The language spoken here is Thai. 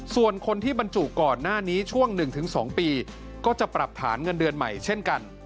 ส่วนคนที่บรรจุก่อนหน้านี้ช่วง๑๒ปีก็จะปรับฐานเงินเดือนใหม่เช่นกัน